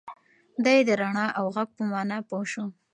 دی د رڼا او غږ په مانا پوه شو.